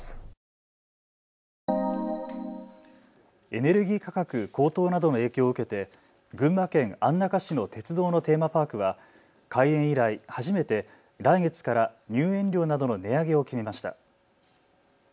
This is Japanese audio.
エネルギー価格高騰などの影響を受けて群馬県安中市の鉄道のテーマパークは開園以来、初めて来月から入園料などの値上げを決めました。